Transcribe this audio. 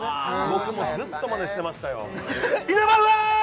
僕もずっとまねしてましたよイナバウアー！